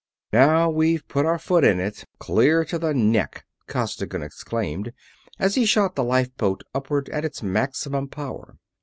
"Now we've put our foot in it, clear to the neck!" Costigan exclaimed, as he shot the lifeboat upward at its maximum power.